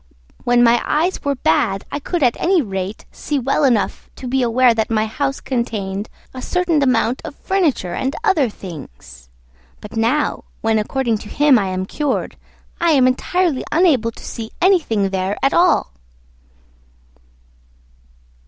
When my eyes were bad I could at any rate see well enough to be aware that my house contained a certain amount of furniture and other things; but now, when according to him I am cured, I am entirely unable to see anything there at all."